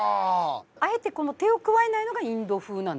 あえて手を加えないのがインド風なんですかね？